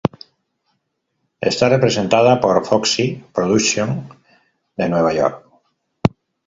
Está representada por Foxy Production de Nueva York.